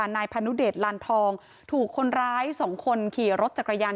นายพานุเดชลานทองถูกคนร้าย๒คนขี่รถจักรยาน